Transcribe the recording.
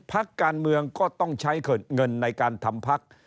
พักการเมืองก็ต้องใช้เงินในการทำพัก